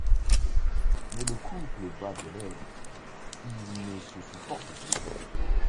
Mais le couple bat de l'aile, ils ne se supportent plus.